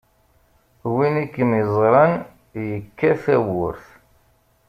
Win i kem-iẓranyekka tawwurt.